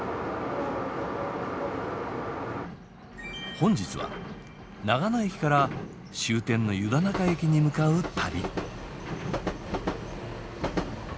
本日は長野駅から終点の湯田中駅に向かう旅。